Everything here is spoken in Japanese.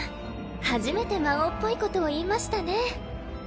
初めて魔王っぽいことを言いましたね。